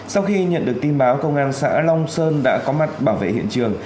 sau khi nhận được tin báo công an xã long sơn đã có mặt bảo vệ hiện trường